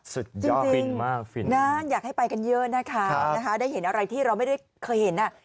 สุดยอดฟินมากฟินนะอยากให้ไปกันเยอะนะคะได้เห็นอะไรที่เราไม่ได้เคยเห็นอ่ะ